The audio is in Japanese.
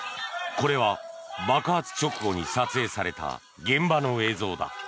これは爆発直後に撮影された現場の映像だ。